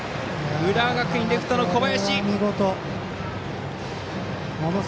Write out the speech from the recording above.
浦和学院、レフトの小林！